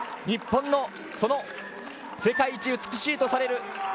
日本の世界一美しいとされる